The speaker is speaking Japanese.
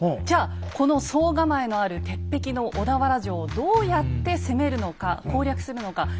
じゃあこの総構のある鉄壁の小田原城をどうやって攻めるのか攻略するのか。